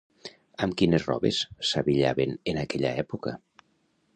Amb quines robes s'abillaven en aquella època?